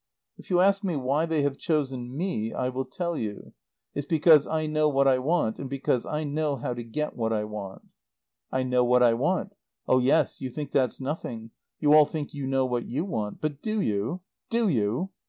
"If you ask me why they have chosen me I will tell you. It's because I know what I want and because I know how to get what I want. "I know what I want. Oh, yes, you think that's nothing; you all think you know what you want. But do you? Do you?"